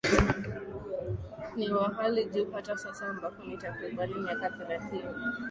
ni wa hali juu hata sasa ambako ni takriban miaka thelathini